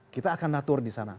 kita akan natur di sana